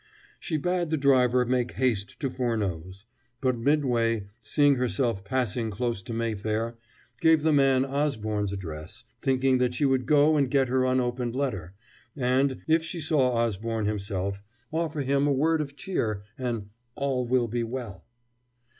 She bade her driver make haste to Furneaux's; but midway, seeing herself passing close to Mayfair, gave the man Osborne's address, thinking that she would go and get her unopened letter, and, if she saw Osborne himself, offer him a word of cheer an "all will be well."